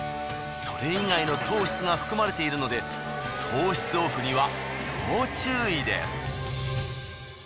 それ以外の糖質が含まれているので糖質オフには要注意です。